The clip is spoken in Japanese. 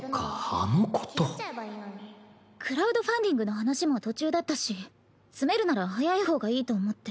クラウドファンディングの話も途中だったし詰めるなら早い方がいいと思って。